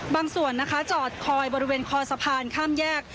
บางส่วนจอดคอยบริเวณคอสัพพานข้ามแยก